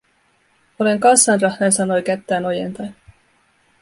“Olen Cassandra”, hän sanoi kättään ojentaen.